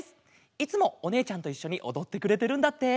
いつもおねえちゃんといっしょにおどってくれてるんだって。